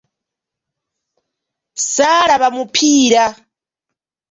Ssaalaba mupiira.